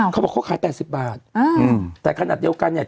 เขาบอกเขาขาย๘๐บาทแต่ขนาดเดียวกันเนี่ย